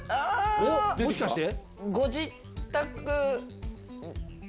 おっもしかして？